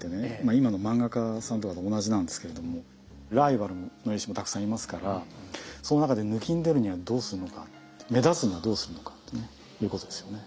今の漫画家さんとかと同じなんですけれどもライバルの絵師もたくさんいますからその中でぬきんでるにはどうするのか目立つにはどうするのかってねいうことですよね。